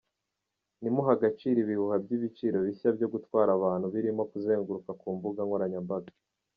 Ntimuhe agaciro ibihuha by’ibiciro bishya byo gutwara abantu birimo kuzenguruka ku mbuga nkoranyambaga.